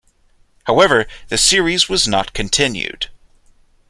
However, the series was not continued.